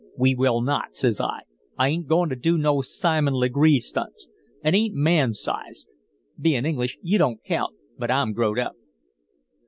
"'We will not,' says I. 'I ain't goin' to do no Simon Legree stunts. It ain't man's size. Bein' English, you don't count, but I'm growed up.'